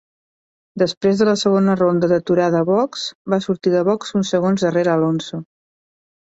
Després de la segona ronda d'aturada a boxs, va sortir de boxs uns segons darrere Alonso.